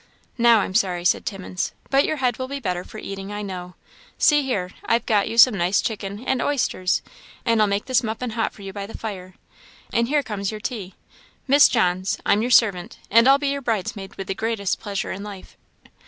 "Now I'm sorry!" said Timmins "but your head will be better for eating, I know. See here I've got you some nice chicken, and oysters, and I'll make this muffin hot for you by the fire and here comes your tea. Miss Johns, I'm your servant, and I'll be your bridesmaid with the greatest pleasure in life.